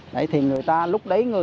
đấy thì người ta lúc đấy